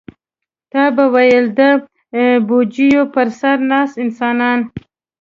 تا به ویل د بوجیو پر سر ناست انسانان.